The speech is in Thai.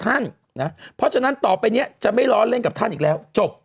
อ้าวเหรอคือจริงผมก็อย่างอันรอบแรกที่เราเข้ามา